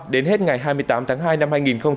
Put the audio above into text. đến hết ngày hai mươi tám tháng hai năm hai nghìn hai mươi